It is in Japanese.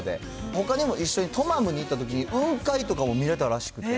ほかにも、一緒にトマムに行ったときに、雲海とかも見れたらしくて。